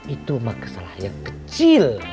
itu mah kesalahan kecil